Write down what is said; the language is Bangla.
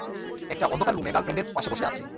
একটা অন্ধকার রুমে গার্লফ্রেন্ডের পাশে বসে আছি।